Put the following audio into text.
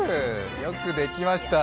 よくできました。